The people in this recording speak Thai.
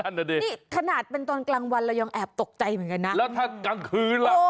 อ่ะดินี่ขนาดเป็นตอนกลางวันเรายังแอบตกใจเหมือนกันนะแล้วถ้ากลางคืนล่ะ